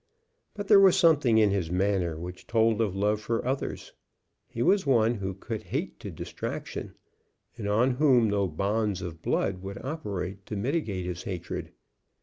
But there was something in his manner which told of love for others. He was one who could hate to distraction, and on whom no bonds of blood would operate to mitigate his hatred.